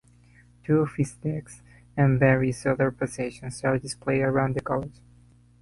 Two of his desks and various other possessions are displayed around the college.